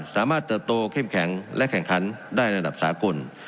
สามารถเจอโตเข้มแข็งและแข่งขันได้ในระดับสากล